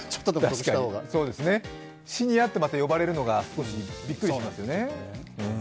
シニアって呼ばれるのが、少しびっくりしますよね。